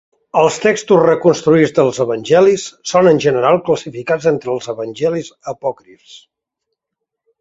Els textos reconstruïts dels evangelis són en general classificats entre els evangelis apòcrifs.